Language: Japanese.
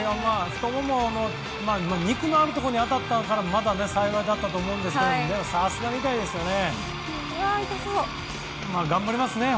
太もも、肉のあるところに当たったからまだ幸いだったと思うんですけどさすがに痛いですよね。